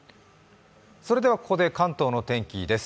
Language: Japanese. ここで関東の天気です。